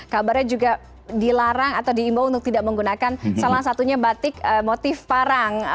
kabarnya juga dilarang atau diimbau untuk tidak menggunakan salah satunya batik motif parang